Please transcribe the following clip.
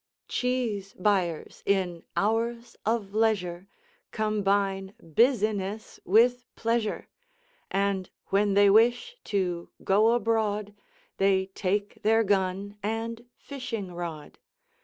Cheese buyers in hours of leisure Combine business with pleasure, And when they wish to go abroad They take their gun and fishing rod.